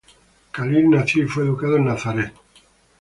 Khalil nació y fue educado en Nazaret.